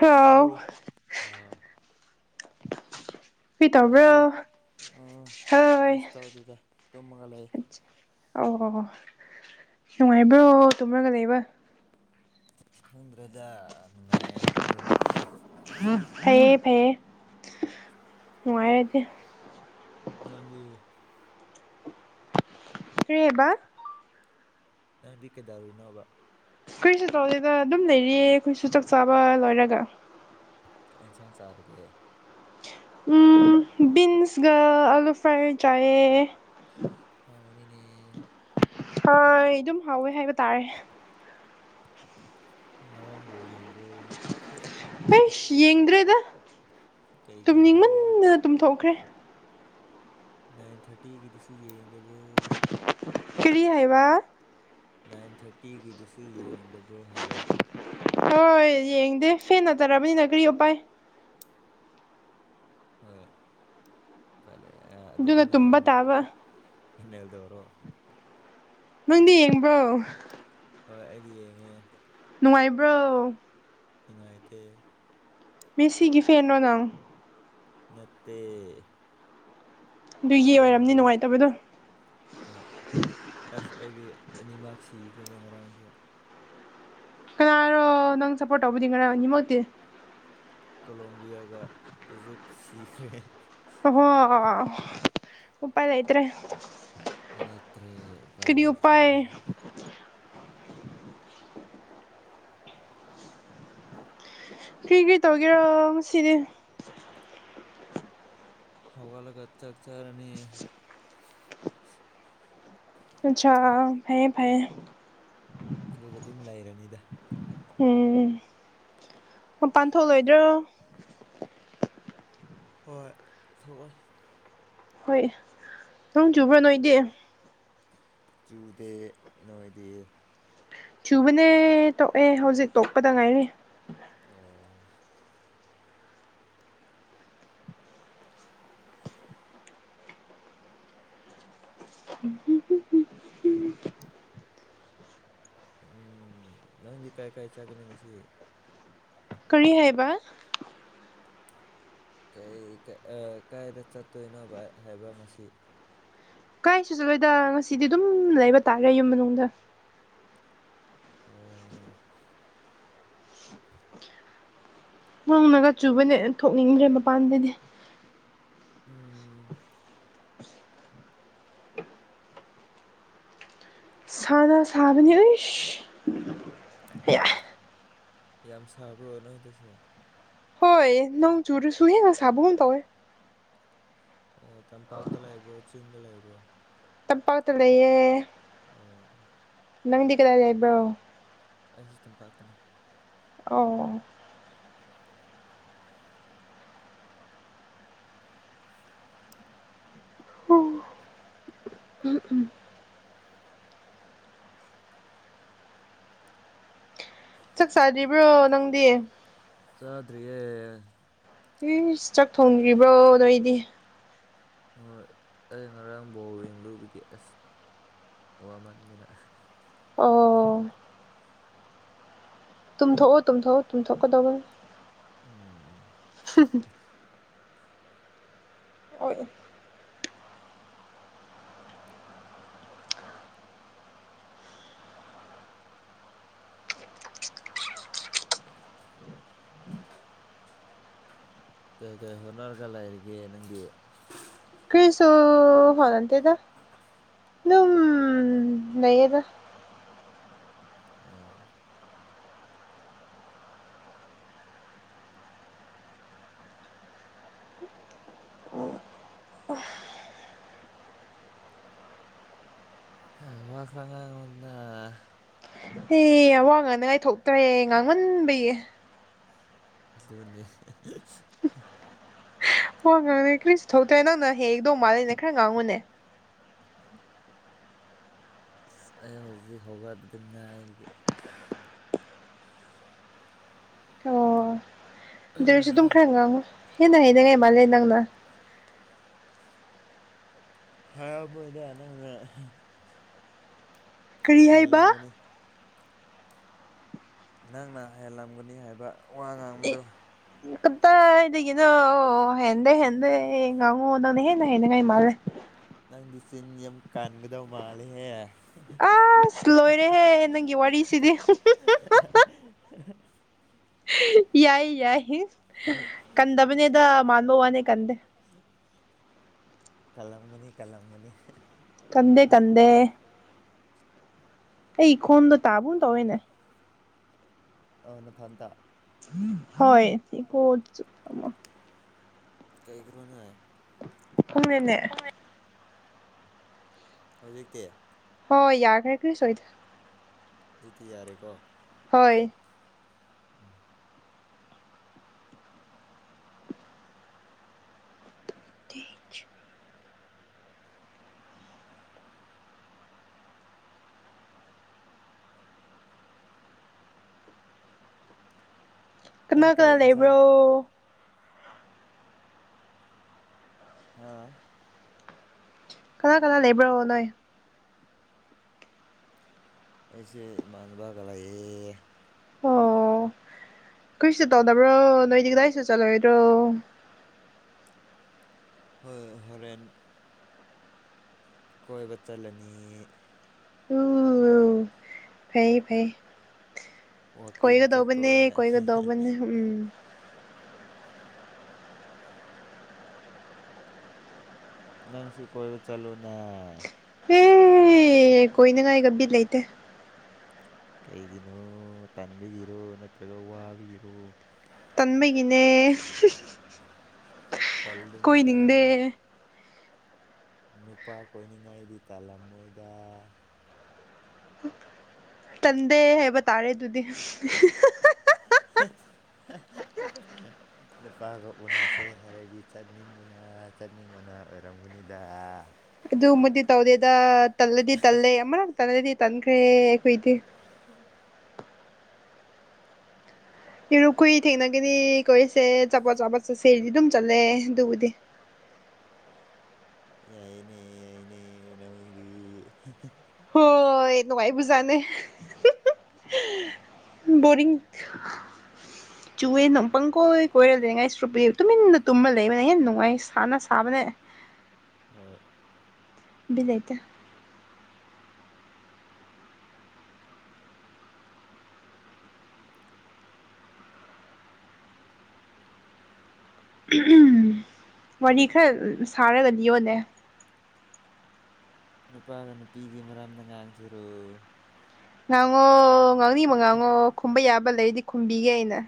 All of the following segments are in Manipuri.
ꯍꯥꯎ ꯍꯂꯣ ꯑꯥ ꯀꯔꯤ ꯇꯥꯕꯔꯣ ꯇꯧꯕ꯭ꯔꯣ ꯑ ꯀꯩꯁꯨ ꯍꯣꯏ ꯇꯧꯗꯦꯗꯥ ꯇꯨꯝꯃꯒꯥ ꯂꯩ ꯑꯣ ꯅꯨꯡꯉꯥꯏꯕ꯭ꯔꯣ ꯇꯨꯝꯃꯒ ꯂꯩꯕ ꯈꯪꯗ꯭ꯔꯦꯗ ꯅꯨꯡꯉꯥꯏꯌꯦ ꯑꯗꯨꯝ ꯐꯩꯌꯦ ꯐꯩꯌꯦ ꯅꯨꯡꯉꯥꯏꯔꯗꯤ ꯅꯪꯗꯤ ꯀꯔꯤ ꯍꯥꯏꯕꯥ ꯅꯪꯗꯤ ꯀꯩꯗꯧꯔꯤꯅꯣꯕ ꯀꯩꯁꯨ ꯇꯧꯗꯦꯗ ꯑꯗꯨꯝ ꯂꯩꯔꯤꯌꯦ ꯑꯩꯈꯣꯏꯁꯨ ꯆꯥꯛ ꯆꯥꯕ ꯂꯣꯏꯔꯒ ꯀꯩ ꯏꯟꯁꯥꯡ ꯆꯥꯔꯒꯦ꯫ ꯑꯃ ꯕꯤꯟꯁꯒ ꯑꯂꯨ ꯐ꯭ꯔꯥꯏ ꯔꯥꯏꯁꯒꯥ ꯆꯥꯏꯌꯦ꯫ ꯍꯥꯎꯕꯅꯤꯅꯦ ꯍꯣꯏ ꯑꯗꯨꯝ ꯍꯥꯎꯋꯦ ꯍꯥꯏꯕ ꯇꯥꯔꯦ꯫ ꯉꯔꯪꯡ ꯕꯣꯜ ꯌꯦꯡꯕ꯭ꯔꯣ꯫ ꯑꯩꯁ ꯌꯦꯡꯗ꯭ꯔꯦꯗ ꯀꯩꯒꯤꯅꯣ ꯇꯨꯝꯅꯤꯡꯃꯟꯗꯅ ꯇꯨꯝꯊꯣꯛꯈ꯭ꯔꯦ꯫ ꯅꯥꯏꯟ ꯊꯥꯔꯇꯤꯒꯤꯗꯨꯁꯨ ꯌꯦꯡꯗꯕ꯭ꯔꯣ ꯀꯤꯔꯤ ꯍꯥꯏꯕ ꯅꯥꯏꯟ ꯊꯥꯔꯇꯤꯒꯤꯗꯨꯁꯨ ꯌꯦꯡꯗꯕ꯭ꯔꯣ ꯍꯥꯏꯕ꯫ ꯍꯣꯏ ꯌꯦꯡꯗꯦ ꯊꯦꯡꯅ ꯆꯠꯂꯕꯅꯤꯅꯥ ꯀꯔꯤ ꯎꯄꯥꯏ ꯍꯣꯏ ꯐꯂꯦ ꯑꯗꯨꯗꯤ ꯑꯗꯨꯅ ꯅꯪ ꯇꯨꯝꯕ ꯇꯥꯕ ꯔꯣꯅꯦꯜꯗꯣꯔꯣ ꯅꯪꯗꯤ ꯌꯦꯡꯕ꯭ꯔꯣ ꯍꯣꯏ ꯑꯩꯗꯤ ꯌꯦꯡꯉꯦ ꯅꯨꯡꯉꯥꯏꯕ꯭ꯔꯣ ꯅꯨꯡꯉꯥꯏꯇꯦ ꯃꯦꯁꯤ ꯒꯤ ꯐꯦꯟꯔꯣ ꯅꯪ ꯅꯠꯇꯦ ꯑꯗꯨꯒꯤ ꯑꯣꯏꯔꯝꯅꯤ ꯔꯣꯅꯥꯜꯗꯣ ꯅꯨꯡꯉꯥꯏꯇꯕꯗꯣ ꯍꯣꯏ ꯑꯁ! ꯑꯩꯒꯤ ꯑꯅꯤꯃꯛ ꯁꯤꯈ꯭ꯔꯦꯅꯦ ꯉꯔꯥꯡꯁꯨ ꯀꯅꯥꯔꯣ ꯅꯪ ꯁꯞꯄꯣꯔꯠ ꯇꯧꯕꯗꯤ ꯉꯔꯥꯡ ꯑꯅꯤꯃꯛꯇꯤ ꯀꯣꯂꯣꯝꯕꯤꯌꯥꯒ ꯏꯖꯤꯞ ꯁꯤꯈ꯭ꯔꯦ꯫ ꯑꯣꯍꯣ ꯎꯄꯥꯏ ꯂꯩꯇ꯭ꯔꯦ꯫ ꯎꯄꯥꯏ ꯂꯧꯇ꯭ꯔꯦ ꯎꯄꯥꯏ ꯀꯔꯤ ꯂꯩꯇ꯭ꯔꯦ ꯎꯄꯥꯏ ꯀ꯭ꯔꯤ ꯀ꯭ꯔꯤ ꯇꯧꯒꯦꯔꯣ ꯉꯁꯤꯗꯤ꯫ ꯍꯧꯒꯠꯂꯒ ꯆꯥꯀ ꯆꯥꯔꯅꯤ ꯑꯆꯥ ꯐꯩꯌꯦ ꯐꯩꯌꯦ ꯑꯗꯨꯒ ꯑꯗꯨꯝ ꯂꯩꯔꯅꯤꯗ꯫ ꯎꯝ ꯃꯄꯥꯟ ꯊꯣꯛꯂꯣꯏꯗ꯭ꯔꯣ ꯍꯣꯏ ꯊꯣꯛꯑꯣꯏ ꯍꯣꯏ ꯅꯣꯡ ꯆꯨꯕ꯭ꯔꯣ ꯅꯣꯏ [unintelligible] ꯆꯨꯗꯦ ꯅꯣꯢꯗꯤ꯫ ꯆꯨꯕꯅꯦ ꯇꯣꯛꯑꯦ ꯍꯧꯖꯤꯛ ꯇꯣꯛꯄꯗ ꯉꯥꯏꯔꯤ꯫ ꯑꯣ ꯎ ꯎꯝ ꯎꯨꯝ ꯎꯝ [unintelligible] ꯎꯝ ꯅꯪꯗꯤ ꯀꯥꯏ ꯀꯥꯏ ꯆꯥꯠꯀꯅꯤ ꯉꯁꯤ꯫ ꯀꯔꯤ ꯍꯥꯏꯕ ꯀꯥꯏ ꯑ ꯀꯥꯏꯗ ꯆꯠꯇꯣꯏꯅꯣꯕ ꯍꯥꯏꯕ ꯉꯁꯤ꯫ ꯀꯥꯏꯁꯨ ꯆꯠꯂꯣꯏꯗ ꯉꯁꯤꯗꯤ ꯑꯗꯨꯝ ꯂꯩꯕ ꯇꯥꯔꯦ ꯌꯨꯝ ꯃꯅꯨꯡꯗ꯫ ꯑꯣ ꯅꯣꯡꯅꯥꯒ ꯆꯨꯕꯅꯦ ꯊꯣꯛꯅꯤꯡꯗ꯭ꯔꯦ ꯃꯄꯥꯟꯗꯩꯗꯤ꯫ ꯎꯝ ꯁꯥꯔꯣ ꯁꯥꯕꯅꯦ ꯑꯁꯥ ꯌꯥꯝ ꯁꯥꯕ꯭ꯔꯣ ꯅꯣꯏꯗꯁꯨ꯫ ꯍꯣꯏ ꯅꯣꯡ ꯆꯨꯔꯁꯨ ꯍꯦꯟꯅ ꯁꯥꯕꯒꯨꯝ ꯇꯧꯋꯦ꯫ ꯑꯣ ꯇꯝꯄꯥꯛꯇ ꯂꯩꯕ꯭ꯔꯣ ꯆꯤꯡꯗ ꯂꯩꯕ꯭ꯔꯣ? ꯇꯝꯄꯥꯛꯇ ꯂꯩꯌꯦ ꯑꯣ ꯅꯪꯗꯤ ꯀꯗꯥꯏ ꯂꯩꯥꯕ꯭ꯔꯣ? ꯑꯩꯁꯨ ꯇꯝꯄꯥꯛꯇꯅꯤ꯫ ꯑꯣ ꯎꯝ ꯎꯝ ꯍ [unintelligible] ꯆꯥꯛ ꯆꯥ꯭ꯔꯤꯕ꯭ꯔꯣ ꯅꯪꯗꯤ ꯆꯥꯗꯔꯤꯌꯦ ꯏꯁ ꯆꯥꯛ ꯊꯣꯡꯗ꯭ꯔꯤꯕ꯭ꯔꯣ ꯅꯣꯏꯗꯤ ꯍꯣꯏ ꯑꯩ ꯉꯔꯥꯡ ꯕꯣꯜ ꯌꯦꯦꯡ ꯂꯨꯕꯒꯤꯦ ꯑꯁ ꯋꯥꯃꯟꯗꯅ ꯑꯣ ꯇꯨꯝꯊꯣꯛꯑꯣ ꯇꯨꯝꯊꯣꯛꯎ ꯇꯨꯝꯊꯣꯛꯀꯗꯧꯕ ꯎꯝ [unintelligible] ꯑꯣꯏ ꯀꯩ ꯀꯩ ꯍꯣꯠꯅꯔꯒ ꯂꯩꯔꯤꯒꯦ ꯅꯪꯗꯤ? ꯀꯥꯔꯁꯨ ꯍꯣꯠꯅꯇꯦꯗ ꯑꯗꯨ ꯎꯝ ꯂꯩꯑꯗ꯫ ꯑꯣ ꯍ ꯋꯥ ꯈ꯭ꯔ ꯉꯥꯡꯉꯣꯗ ꯑꯦ ꯑꯋꯥ ꯉꯥꯅꯉꯥꯏ [unintelligible] ꯊꯣꯛꯣꯛꯇ꯭ꯔꯦ ꯉꯥꯡꯃꯟꯕꯒꯤ ꯑꯗꯨꯅꯦ ꯑꯍꯥ ꯍꯣꯏ ꯉꯥꯡꯉꯦ ꯀ꯭ꯔꯤꯁꯨ ꯊꯣꯛꯇ꯭ꯔꯦ ꯅꯪꯅ ꯍꯦꯛꯗꯧ ꯃꯥꯜꯂꯅꯦ ꯈꯔ ꯉꯥꯡꯉꯨꯅꯦ ꯑꯁ ꯑꯩ ꯍꯧꯖꯤꯛ ꯍꯧꯒꯠꯂꯄꯗ ꯉꯥꯢꯔꯤ ꯑꯁ ꯑꯣ ꯑꯗꯨ ꯑꯣꯏꯔꯁꯨ ꯗꯨꯝ ꯈ꯭ꯔ ꯉꯤꯡꯑꯣ ꯍꯦꯟꯅ ꯍꯩꯅꯤꯉꯥꯢ ꯃꯜꯂꯦ ꯅꯪꯅ ꯍꯕꯨꯗ ꯅꯪꯅ ꯀꯔꯤ ꯍꯥꯏꯕ ꯍꯦꯜꯂꯝꯒꯅꯤ ꯅꯪꯅ ꯍꯜꯂꯝꯒꯅꯤ ꯍꯥꯏꯕ ꯋꯥ ꯉꯥꯡꯕꯗꯣ ꯀꯗꯥꯥꯏꯗꯒꯤꯅꯣ ꯍꯦꯟꯗꯦ ꯍꯦꯟꯗꯦ ꯉꯥꯡꯉꯣ ꯅꯪꯅ ꯍꯦꯟꯅ ꯍꯦꯅꯤꯡꯉꯥꯏ ꯃꯥꯜꯂꯦ ꯅꯪꯗꯤ ꯆꯤꯟ ꯌꯥꯝ ꯀꯥꯟꯒꯗꯧ ꯃꯥꯜꯂꯦꯍꯦ ꯑꯁ ꯂꯣꯏꯔꯦꯍꯦ ꯅꯪꯒꯤ ꯋꯥꯔꯤꯁꯤꯗꯤ [unintelligible] ꯌꯥꯏ ꯌꯥꯏ ꯀꯟꯗꯕꯅꯦꯗ ꯃꯥꯟꯕ ꯋꯥꯅꯤ ꯀꯟꯗꯦ ꯀꯂꯝꯒꯅꯤ ꯀꯂꯝꯒꯅꯤ ꯀꯟꯗꯦ ꯀꯟꯗꯦ ꯑꯩ ꯏꯈꯣꯝꯗꯣ ꯇꯥꯕꯅ ꯇꯧꯋꯦꯅꯦ ꯑ ꯅ ꯊꯟ ꯇ ꯍꯣꯏ ꯀ ꯀꯩꯒꯤꯔꯣꯅꯦ ꯈꯪꯗꯦꯅꯦ ꯍꯧꯖꯤꯛꯇꯤ ꯍꯣꯏ ꯌꯥꯔꯒꯩ ꯀ ꯁꯣꯏꯗ ꯑꯗꯨꯗꯤ ꯌꯥꯔꯦꯀꯣ ꯍꯣꯏ [unintelligible] [unintelligible] ꯅꯪ ꯀꯅꯥ ꯀꯩ ꯀꯅꯥ ꯌꯦꯟꯁꯥꯡ ꯂꯩꯕ꯭ꯔꯣ ꯍꯥꯥ ꯀꯅꯥ ꯀꯅꯥ ꯂꯩꯕ꯭ꯔꯣ ꯅꯣꯏ ꯑꯩꯁꯦ ꯏꯃꯥꯟꯅꯕ ꯒꯥ ꯂꯩꯌꯦ ꯑꯣ ꯀꯩꯁꯨ ꯇꯧꯗꯕ꯭ꯔꯣ ꯅꯣꯏꯗꯤ ꯀꯗꯥꯏꯁꯨ ꯆꯠꯂꯣꯏꯗ꯭ꯔꯣ ꯍꯣꯏ ꯍꯣꯔꯦꯟ ꯀꯣꯏꯕ ꯆꯠꯂꯅꯤ ꯎ ꯐꯩ ꯐꯩ ꯋꯥꯛꯀꯤꯡ ꯆꯠꯄ ꯀꯣꯏꯒꯗꯧꯕꯅꯦ ꯑꯣꯏꯅ ꯀꯣꯏꯒꯗꯧꯕꯅꯦ ꯎꯝ ꯅꯪꯁꯨ ꯀꯣꯏꯕ ꯆꯠꯂꯨꯅ ꯑꯦ ꯀꯣꯏꯅꯤꯡꯉꯥꯏꯒ ꯕꯤꯠ ꯂꯩꯇꯦ ꯀꯩꯒꯤꯅꯣ ꯇꯟꯕꯤꯒꯤꯔꯣ ꯅꯠꯇ꯭ꯔꯒ ꯋꯥꯕꯤꯒꯤꯔꯣ ꯇꯟꯕꯒꯤꯅꯦ ꯀꯂꯗꯨꯅꯗ ꯀꯣꯏꯅꯤꯡꯗꯦ ꯅꯨꯄꯥ ꯀꯣꯏꯅꯤꯡꯉꯥꯏꯗꯤ ꯇꯥꯜꯂꯝꯃꯣꯏꯗ ꯇꯟꯗꯦ ꯍꯥꯏꯕ ꯇꯥꯔꯦ ꯑꯗꯨꯗꯤ [unintelligible] ꯂꯨꯄꯥꯒ ꯎꯅꯁꯦ ꯍꯥꯏꯔꯗꯤ ꯆꯠꯅꯤꯡꯕꯅ ꯆꯠꯅꯤꯡꯕꯅ ꯑꯣꯏꯔꯝꯒꯅꯤꯗ ꯑꯗꯨꯃꯗꯤ ꯇꯧꯗꯦꯗ ꯇꯜꯂꯗꯤ ꯇꯜꯂꯦ ꯑꯃꯔꯛꯇ ꯇꯜꯂꯗꯤ ꯇꯟꯈ꯭ꯔꯦ ꯑꯩꯈꯣꯏꯗꯤ ꯎ ꯌꯦꯔꯨ ꯀꯨꯏ ꯊꯦꯡꯅꯒꯅꯤ ꯀꯣꯏꯔꯤꯁꯦ ꯆꯠꯄꯣꯠ ꯆꯥꯄꯠ ꯆꯠꯁꯦꯗꯤ ꯑꯗꯨꯝ ꯆꯠꯂꯦ ꯑꯗꯨꯕꯨꯗꯤ ꯑꯏꯅꯦ ꯑꯏꯅꯦ ꯅꯣꯏꯗꯤ ꯍꯣꯏ ꯅꯨꯡꯉꯥꯏ ꯕꯨꯖꯥꯅꯦ [unintelligible] ꯕꯣꯔꯤꯡ ꯆꯨꯋꯦꯅ ꯄꯪꯀꯣꯏ ꯀꯣꯏꯔ ꯂꯩꯅꯤꯡꯉꯥꯏ ꯁꯨꯔꯨꯞꯄ ꯇꯨꯃꯤꯟꯅ ꯇꯨꯝꯃ ꯂꯩꯕꯅꯦ ꯍꯦꯟꯅ ꯅꯨꯡꯉꯥꯏ ꯁꯥꯅ ꯁꯥꯕꯅꯦ ꯍꯣꯏ ꯕꯤꯠ ꯂꯩꯏꯇꯦ ꯋꯥꯔꯤ ꯈꯔ ꯁꯥꯔꯒ ꯂꯤꯎꯅꯦ ꯅꯨꯄꯥꯒ ꯅꯨꯄꯤꯒꯤ ꯃꯔꯝꯗ ꯉꯥꯡꯁꯤꯔꯣ ꯉꯥꯡꯉꯣ ꯉꯥꯡꯅꯤꯡꯕ ꯉꯥꯡꯉꯣ ꯈꯨꯝꯕ ꯌꯥꯕ ꯂꯩꯗꯤ ꯈꯨꯝꯕꯤꯒꯦ ꯑꯩꯅ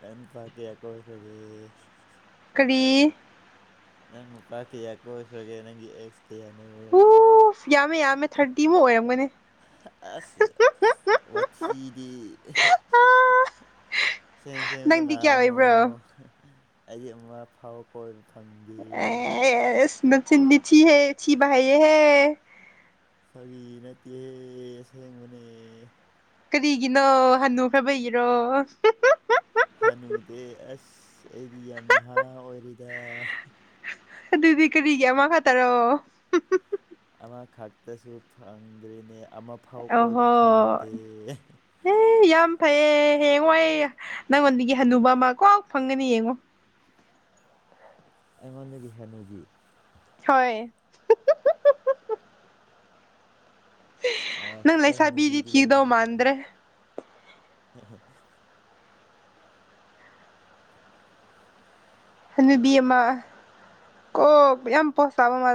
ꯅꯪ ꯅꯨꯄꯥ ꯀꯌꯥ ꯀꯣꯏꯈ꯭ꯔꯒꯤ ꯀꯔꯤ ꯅꯪ ꯅꯨꯄꯥ ꯀꯌꯥ ꯀꯣꯏꯈ꯭ꯔꯒꯦ ꯅꯪꯒꯤ ꯑꯦꯛꯁ ꯀꯌꯥꯅꯣ ꯎ ꯌꯥꯝꯃꯦ ꯌꯥꯝꯃꯦ ꯊꯥꯔꯇꯤ ꯑꯃꯨꯛ ꯑꯣꯏꯔꯝꯒꯅꯤ ꯑꯁ ꯋꯥꯊꯤꯗꯤ ꯁꯦꯡ ꯁꯦꯡꯕꯗꯣ ꯅꯪꯗꯤ ꯀꯌꯥ ꯉꯥꯡꯉꯨ ꯑꯣꯏꯕ꯭ꯔꯣ ꯑꯩꯗꯤ ꯑꯃ ꯐꯥꯎ ꯀꯣꯏꯕ ꯐꯪꯗꯦ ꯑꯦ ꯏꯁꯃꯤ ꯆꯤꯟꯗꯤ ꯊꯤꯍꯦ ꯊꯤꯕ ꯍꯤꯍꯌꯦ ꯐꯥꯒꯤ ꯅꯠꯇꯦꯍꯦ ꯁꯦꯡꯕꯅꯦ ꯀꯔꯤꯒꯤꯅꯣ ꯍꯟꯅꯨ ꯐꯕꯩꯒꯤꯔꯣ ꯍꯥꯅꯨꯗꯦ ꯑꯁ ꯑꯩꯗꯤ ꯌꯥꯝ ꯅꯍꯥ ꯑꯣꯏꯔꯤꯗ ꯑꯗꯨꯗꯤ ꯀꯔꯤꯒꯤ ꯑꯃꯥ ꯈꯛ ꯇꯔꫭ ꯑꯃꯈꯛꯇꯁꯨ ꯐꯪꯗ꯭ꯔꯤꯅꯦ ꯑꯃꯐꯥꯎ ꯀꯣꯏꯕ ꯑꯣꯍꯣ ꯐꯪꯗꯦ ꯑꯦ ꯌꯥꯝ ꯐꯩꯌꯦ ꯍꯥꯌꯦꯡꯋꯥꯏ ꯅꯪꯉꯣꯟꯗꯒꯤ ꯍꯟꯅꯨꯕ ꯑꯃ ꯀꯥꯠ ꯐꯪꯒꯅꯤ ꯌꯦꯡꯉꯣ ꯑꯩꯉꯣꯟꯗꯒꯤ ꯍꯅꯨꯕꯤ ꯍꯣꯏ ꯑꯦ ꯅꯪ ꯑꯦ ꯂꯩꯁꯥꯕꯤꯗꯤ ꯍꯅꯨꯕꯤꯗꯤ ꯊꯤꯒꯗꯧ ꯂꯥꯎꯅꯤꯡꯗꯦ ꯃꯥꯟꯗ꯭ꯔꯦ ꯍꯟꯅꯨꯕꯤ ꯑꯃ ꯀ ꯌꯥꯝ ꯄꯣꯁ ꯆꯥꯕ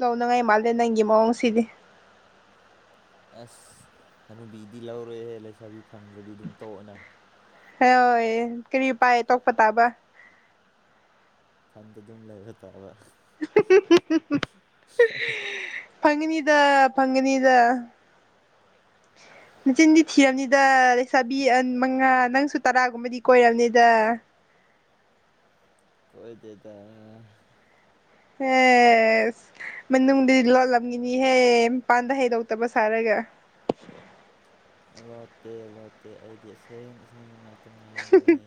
ꯇꯧꯅꯉꯥꯏ ꯃꯥꯜꯂꯦ ꯅꯪꯒꯤ ꯃꯑꯣꯡꯁꯤꯗꯤ ꯑꯁ ꯍꯅꯨꯕꯤꯗꯤ ꯂꯧꯔꯣꯏꯍꯦ ꯂꯩꯁꯥꯕꯤ ꯐꯪꯗ꯭ꯔꯗꯤ ꯑꯗꯨꯝ ꯇꯧꯑꯣꯅ ꯍꯣꯏ ꯀꯔꯤ ꯄꯥꯏ ꯇꯣꯛꯄ ꯇꯥꯕ ꯈꯟꯗ ꯑꯗꯨꯝ ꯂꯩꯕ ꯇꯥꯕ ꯐꯪꯅꯤꯗ ꯐꯪꯅꯤꯗ ꯃꯆꯤꯟꯗꯤ ꯊꯤꯔꯕꯝꯅꯤꯗ ꯂꯩꯁꯥꯕꯤ ꯃꯉꯥ ꯅꯪꯁꯨ ꯇꯔꯥꯒꯨꯝꯕꯗꯤ ꯀꯣꯏꯔꯕꯅꯤꯗ ꯀꯣꯏꯗꯗꯥ ꯑꯦ ꯃꯅꯨꯡꯗꯤ ꯂꯣꯜꯂꯝꯈꯤꯅꯤꯍꯦ ꯃꯄꯥꯟꯗ ꯍꯩꯗꯣꯛꯇꯕ ꯁꯥꯔꯒ ꯂꯣꯠꯇꯦ ꯂꯣꯠꯇꯦ ꯑꯩꯗꯤ ꯑꯁꯦꯡ ꯑꯁꯦꯡꯕ ꯉꯥꯛꯇ ꯉꯥꯡꯕꯅꯦ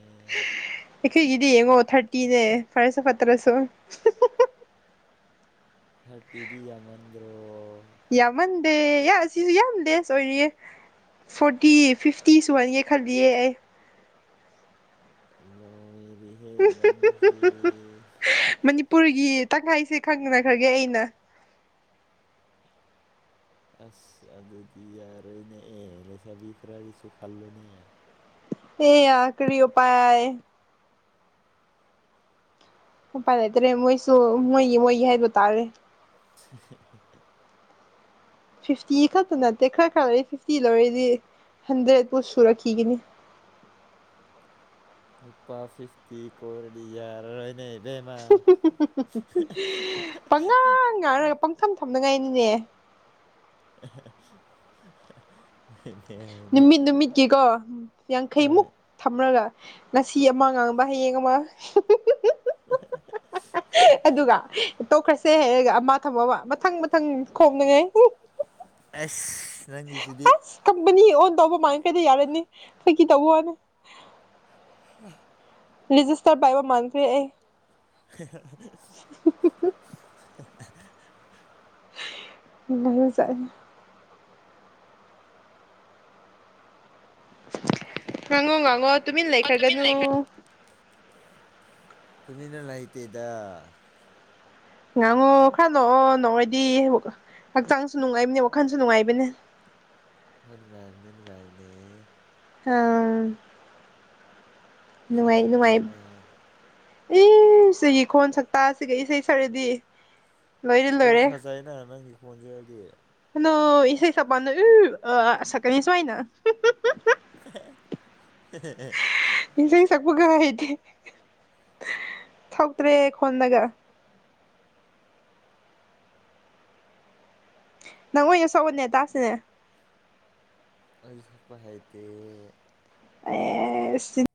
ꯑꯩꯈꯣꯏꯒꯤꯗꯤ ꯌꯦꯡꯉꯣ ꯊꯥꯔꯇꯤꯅꯦ ꯐꯔꯦꯁꯨ ꯐꯠꯇ꯭ꯔꯁꯨ ꯊꯔꯇꯤꯗꯤ ꯌꯥꯝꯃꯟꯗ꯭ꯔꯣ ꯌꯥꯝꯃꯟꯗꯦ ꯏ ꯑꯁꯤꯁꯨ ꯌꯥꯝ ꯂꯦꯁ ꯑꯣꯏꯔꯤꯌꯦ ꯐꯣꯔꯇꯤ ꯐꯤꯐꯇꯤ ꯁꯨꯍꯟꯒꯦ ꯈꯜꯂꯤꯌꯦ ꯑꯩ [unintelligible] ꯄꯨꯔꯒꯤ ꯇꯪꯈꯥꯏꯁꯦ ꯈꯪꯅ ꯈ꯭ꯔꯒꯦ ꯑꯩꯅ ꯑꯁ ꯑꯗꯨꯗꯤ ꯌꯥꯔꯣꯏꯅꯦ ꯑꯦ ꯂꯩꯁꯥꯕꯤ ꯈꯔꯒꯤꯁꯨ ꯈꯜꯂꯣꯅꯦ ꯍꯦ ꯌꯥ ꯀꯔꯤ ꯑꯣꯄꯥꯏ ꯎꯄꯥꯏ ꯂꯩꯇꯔꯦ ꯃꯣꯏꯁꯨ ꯃꯣꯏꯒꯤ ꯃꯣꯏꯒꯤ ꯍꯥꯏꯕ ꯇꯥꯔꯦ [unintelligible] ꯐꯤꯐꯇꯤ ꯈꯛꯇ ꯅꯠꯇꯦ ꯈꯔ ꯈꯔ ꯂꯣꯏ ꯐꯤꯐꯇꯤ ꯂꯧꯔꯗꯤ ꯍꯟꯗ꯭ꯔꯦꯠꯄꯨ ꯁꯨꯔꯛꯈꯤꯒꯅꯤ ꯅꯨꯄꯥ ꯐꯤꯐꯇꯤ ꯀꯣꯏꯔꯗꯤ ꯌꯥꯔ ꯔꫭꯏꯅꯦ ꯕꯦꯝꯃꯥ ꯄꯪꯉꯥꯡ ꯉꯥꯡꯔꯒ ꯄꯪꯊꯝ ꯊꯝꯅꯉꯥꯏꯅꯤꯅꯦ ꯑ UNINTELLIGIBLE ꯅꯨꯃꯤꯠ ꯅꯨꯃꯤꯠꯀꯤꯀꯣ ꯍꯣꯏ ꯌꯥꯡꯈꯩꯃꯨꯛ ꯊꯝꯔꯒ ꯉꯁꯤ ꯑꯃ ꯉꯥꯡꯕ ꯍꯌꯦꯡ ꯑꯃ ꯑꯍꯥ ꯑꯍꯥ ꯁ ꯑꯗꯨꯒ ꯇꯣꯛꯈ꯭ꯔꯦꯁꯦ ꯍꯥꯏꯔꯒ ꯑꯃ ꯊꯝ ꯃꯝꯃ ꯃꯊꯪ ꯃꯊꯪ ꯈꯣꯛꯅꯤꯡꯉꯥꯏ ꯑꯩꯁ ꯅꯪꯒꯤꯁꯤꯗꯤ ꯑꯁ ꯀꯝꯄꯅꯤ ꯑꯣꯟ ꯇꯧꯕ ꯃꯥꯟꯈ꯭ꯔꯅꯤ ꯌꯥꯔꯅꯤ ꯐꯥꯒꯤ ꯇꯧꯕ ꯋꯥꯅꯦ [unintelligible] ꯔꯦꯖꯤꯁꯇꯔ ꯇꯧꯕ ꯃꯥꯟꯈ꯭ꯔꯦ ꯑꯩ [unintelligible] [unintelligible] ꯉꯥꯡꯉꯣ ꯉꯥꯡꯉꯣ ꯇꯨꯃꯤꯟ ꯂꯩꯈ꯭ꯔꯒꯅꯨ ꯇꯨꯃꯤꯟꯅ ꯂꯩꯇꯦꯗꯥ ꯉꯥꯡꯉꯣ ꯈꯔ ꯅꯣꯛꯑꯣ ꯅꯣꯛꯔꯗꯤ ꯍꯛꯆꯥꯡꯁꯨ ꯅꯨꯡꯉꯥꯏꯕꯅꯦ ꯋꯥꯈꯜꯁꯨ ꯅꯨꯡꯉꯥꯏꯕꯅꯦ ꯍꯣ ꯅꯨꯡꯉꯥꯏꯕꯅꯦ ꯅꯨꯡꯉꯥꯏꯕꯅꯦ ꯑꯧ ꯏꯁꯩ ꯅꯨꯡꯉꯥꯏ ꯅꯨꯡꯉꯥꯏꯞ ꯁꯛꯄꯤꯌꯣꯅꯦ ꯏꯌꯨ ꯁꯤꯒꯤ ꯈꯣꯟ ꯁꯛꯇꯥꯁꯤꯒ ꯏꯁꯩ ꯁꯛꯔꯗꯤ ꯂꯣꯏꯔꯦ ꯗꯨꯝ ꯂꯣꯏꯔꯦ ꯐꯥꯖꯩꯅ ꯅꯪꯒꯤ ꯈꯣꯟꯖꯦꯜꯗꯤ ꯍꯅꯣ ꯏꯁꯩ ꯁꯛꯄꯅꯥ ꯏꯌꯨ [unintelligible] ꯁꯛꯀꯅꯤ ꯁꯣꯏꯅ ꯍꯦ ꯑꯦ ꯍꯦ ꯍꯦ [unintelligible] ꯏꯁꯩ ꯁꯛꯄꯒ ꯍꯩꯊꯦ ꯊꯣꯛꯇ꯭ꯔꯦ ꯈꯣꯟꯅꯒ ꯅꯪ ꯑꯣꯏꯅ ꯁꯛꯎꯅꯦ ꯇꯥꯁꯤꯅꯦ ꯑꯩ ꯁꯛꯄ ꯍꯩꯇꯦ [unintelligible]